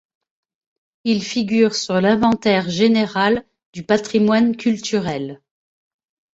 Il figure sur l'Inventaire général du patrimoine culturel.